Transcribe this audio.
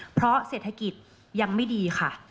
เพราะเศรษฐกิจยังไม่ดีค่ะ